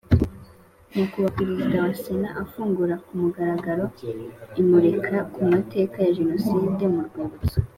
Nyakubahwa Perezida wa Sena afungura ku mugaragaro imurika ku mateka ya Jenoside mu rwibutso